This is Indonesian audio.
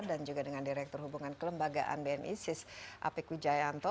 dan juga dengan direktur hubungan kelembagaan bni sis apik wijayanto